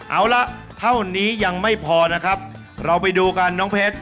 เอาละเท่านี้ยังไม่พอนะครับเราไปดูกันน้องเพชร